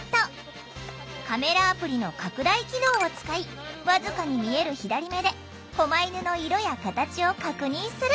カメラアプリの拡大機能を使い僅かに見える左目でこま犬の色や形を確認する！